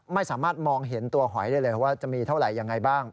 ไม่สามารถมองเห็นตัวหอยได้เลยว่าจะมีเท่าไหร่ยังไงบ้าง